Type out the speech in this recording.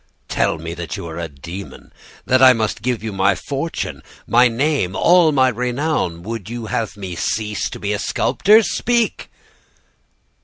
"'Tell me that you are a demon, that I must give you my fortune, my name, all my renown! Would you have me cease to be a sculptor? Speak.